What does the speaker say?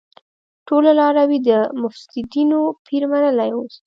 ټولو لاروی د مفسيدينو پير منلی اوس